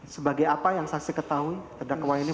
sebagai apa yang saksi ketahui terdakwa ini